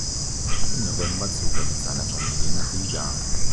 Im November zog er mit seiner Familie nach Riga.